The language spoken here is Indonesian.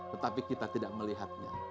tetapi kita tidak melihatnya